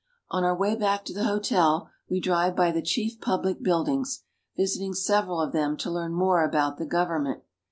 On our way back to the hotel we drive by the chief public buildings, visiting several of them to learn more about the government.